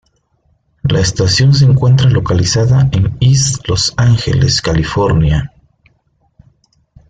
La estación se encuentra localizada en East Los Angeles, California.